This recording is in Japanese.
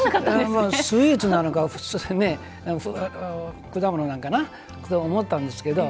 スイーツなのか果物なのかな？と思ったんですけど。